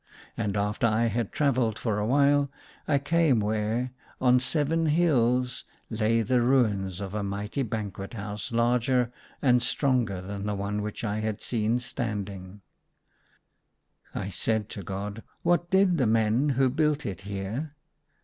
And after I had travelled for a while I came where on seven hills lay the ruins of a mighty banquet house larger and stronger than the one which I had seen standing. THE SUNLIGHT LA V I said to God, " What did the men rwho built it here